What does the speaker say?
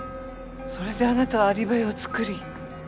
それであなたはアリバイを作り。